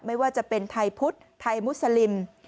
ไม่ว่าจะเป็นไทยพุทธไทยมุสลิม